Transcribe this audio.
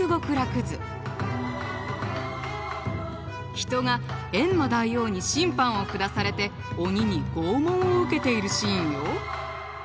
人がえんま大王に審判を下されて鬼に拷問を受けているシーンよ。